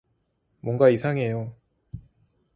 뭔가 이상해요.